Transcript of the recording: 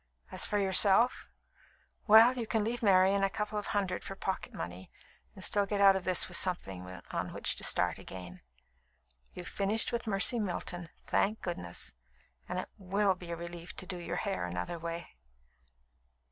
As for yourself well, you can leave Marian a couple of hundred for pocket money, and still get out of this with something on which to start again. You've finished with Mercy Milton, thank goodness! and it will be a relief to do your hair another way."